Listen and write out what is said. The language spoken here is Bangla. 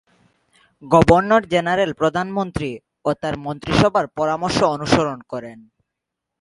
গভর্নর-জেনারেল প্রধানমন্ত্রী ও তার মন্ত্রিসভার পরামর্শ অনুসরণ করেন।